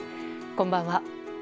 こんばんは。